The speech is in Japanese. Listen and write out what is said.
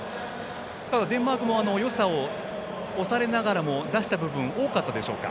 デンマークもよさを押されながらも出した部分は多かったでしょうか。